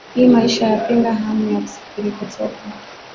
hii ya maisha Pinga hamu ya kusafiri kutoka